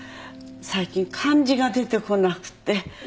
最近漢字が出てこなくて。